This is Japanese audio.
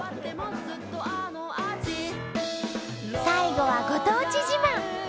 最後はご当地自慢。